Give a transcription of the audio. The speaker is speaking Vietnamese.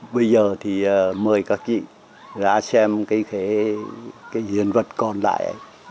bây giờ thì mời các chị ra xem cây khế cái diện vật còn lại